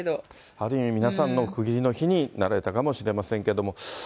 ある意味、皆さんの区切りの日になられたかもしれませんけれども。